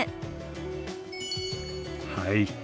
はい。